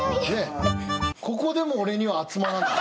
ここでも俺には集まらない。